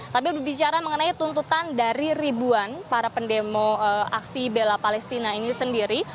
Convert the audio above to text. tapi berbicara mengenai tuntutan dari ribuan para pendemo aksi bela palestina ini sendiri